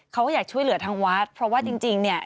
เขาก็อยากช่วยเหลือทางวัดเพราะว่าจริงเนี่ย